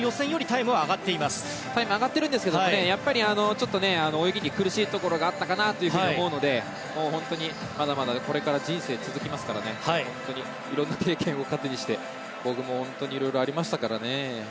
タイム上がってるんですがやっぱり泳ぎに苦しいところがあったかなと思うので本当に、まだまだこれから人生続きますからいろんな経験を糧にして僕も本当にいろいろありましたからね。